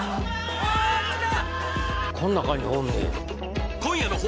・ああ来た！